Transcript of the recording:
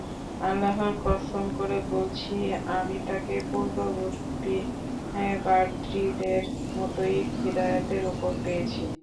আল্লাহর কসম করে বলছি, আমি তাঁকে পূর্ববর্তী পাদ্রীদের মতই হিদায়াতের উপর পেয়েছি।